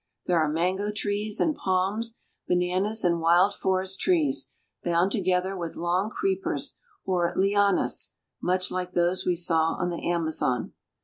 There are mango trees and palms, bananas and wild forest trees, bound together with long creepers, or lianas, much like those we saw on the Amazon.